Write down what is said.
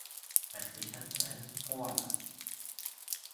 Man spricht dann von einem "Vorlass".